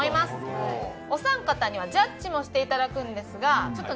お三方にはジャッジもしていただくんですがちょっとね